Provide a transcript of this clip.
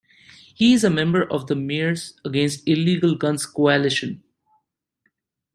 He is a member of the Mayors Against Illegal Guns Coalition.